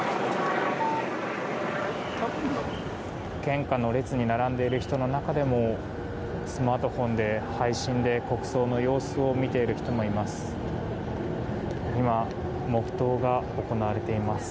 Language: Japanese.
献花の列に並んでいる人の中でもスマートフォンで配信で国葬の様子を見ている人もいます。